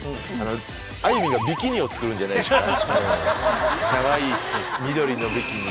あゆみんがビキニを作るんじゃないですか？